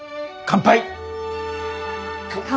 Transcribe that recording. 乾杯！